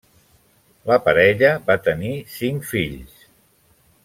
La parella va tenir cinc fills.